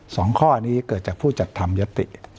สองข้อนี้เกิดจากผู้จัดทำยติ